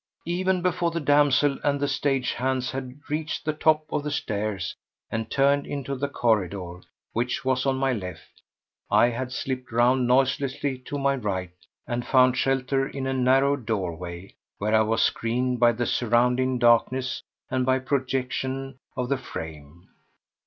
Even before the damsel and the stage hands had reached the top of the stairs and turned into the corridor, which was on my left, I had slipped round noiselessly to my right and found shelter in a narrow doorway, where I was screened by the surrounding darkness and by a projection of the frame.